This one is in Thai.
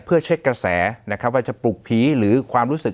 เพื่อเช็คกระแสนะครับว่าจะปลุกผีหรือความรู้สึก